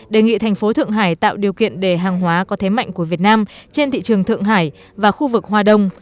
đề nghị thành phố thượng hải tạo điều kiện để hàng hóa có thế mạnh của việt nam trên thị trường thượng hải và khu vực hoa đông